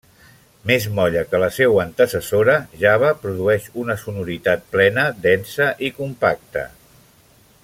Més molla que la seua antecessora, Java, produeix una sonoritat plena, densa i compacta.